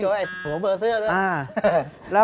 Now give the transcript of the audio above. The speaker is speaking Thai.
ฮห่วงเบอร์เสื้อด้วย